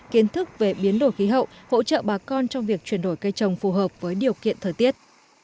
kiến thức về biến đổi khí hậu hỗ trợ bà con trong việc chuyển đổi cây trồng phù hợp với điều kiện thời tiết